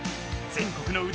全国の腕